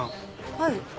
はい。